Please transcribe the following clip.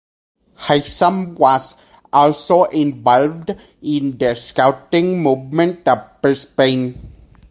Haysom was also involved in the Scouting movement of Brisbane.